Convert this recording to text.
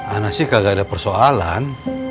anak sih kagak ada persoalan